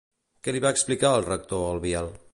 Què li va explicar al rector el Biel?